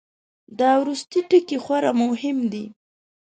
دا وروستی ټکی خورا مهم دی.